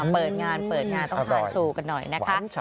เปิดงานต้องทานชูกันหน่อยนะคะ